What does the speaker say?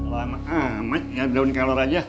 lama amat nggak ada daun kala raja